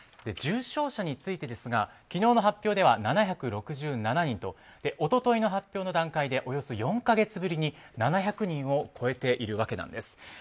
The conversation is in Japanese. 重症者についてですが昨日の発表では７６７人と一昨日の発表の段階でおよそ４か月ぶりに７００人を超えているわけです。